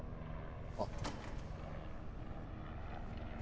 あっ。